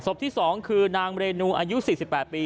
ศพที่สองก็คือนางเมรูอายุ๔๘ปี